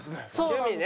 趣味ね。